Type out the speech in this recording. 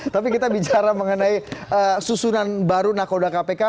tapi kita bicara mengenai susunan baru nakoda kpk